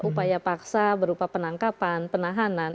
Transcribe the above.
upaya paksa berupa penangkapan penahanan